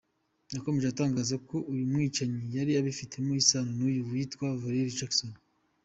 Yakomeje itangaza ko uyu mwicanyi yari afitanye isano n’uyu witwa Valerie Jackson.